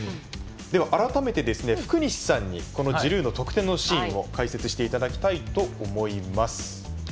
改めて福西さんにジルーの得点のシーンを解説していただきたいと思います。